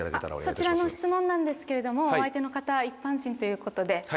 そちらの質問なんですけれどもお相手の方一般人ということで。